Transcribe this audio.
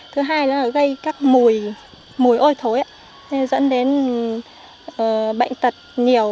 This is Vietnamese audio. thứ hai là gây các mùi hôi thối dẫn đến bệnh tật nhiều